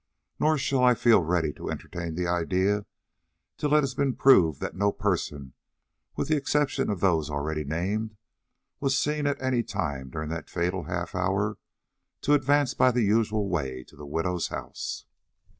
"Nor shall I feel ready to entertain the idea till it has been proved that no person, with the exception of those already named, was seen any time during that fatal half hour to advance by the usual way to the widow's house."